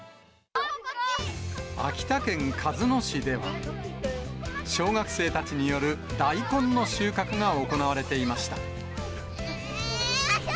秋田県鹿角市では、小学生たちによる大根の収穫が行われていました。